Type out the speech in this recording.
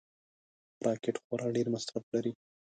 راکټ خورا ډېر مصرف لري